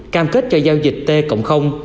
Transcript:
cam kết cho giao dịch t cộng